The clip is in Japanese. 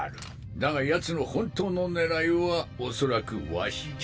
だがヤツの本当の狙いはおそらくワシじゃ。